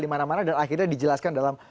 di mana mana dan akhirnya dijelaskan dalam